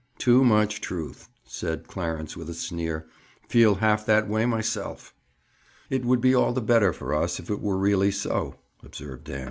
"Too much truth!" said Clarence with a sneer. "Feel half that way, myself!" "Would be all the better for us, if it were really so," observed Dan.